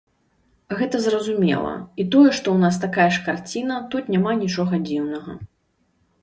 Гэта зразумела, і тое, што ў нас такая ж карціна, тут няма нічога дзіўнага.